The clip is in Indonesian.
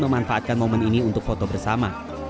dan memanfaatkan momen ini untuk foto bersama